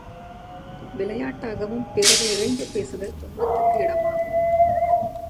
விளையாட்டாகவும் பிறரை இகழ்ந்து பேசுதல் துன்பத்திற்கு இடமாகும்.